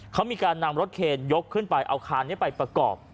เขามีการนำรถเคนยกขึ้นไปเอาคานนี้ไปประกอบ